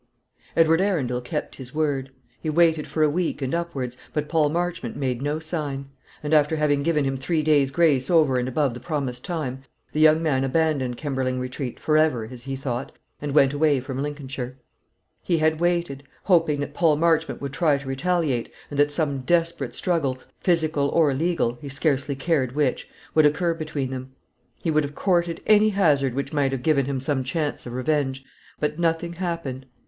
Edward Arundel kept his word. He waited for a week and upwards, but Paul Marchmont made no sign; and after having given him three days' grace over and above the promised time, the young man abandoned Kemberling Retreat, for ever, as he thought, and went away from Lincolnshire. He had waited; hoping that Paul Marchmont would try to retaliate, and that some desperate struggle, physical or legal, he scarcely cared which, would occur between them. He would have courted any hazard which might have given him some chance of revenge. But nothing happened.